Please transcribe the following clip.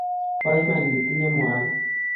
bo iman itinye mwanik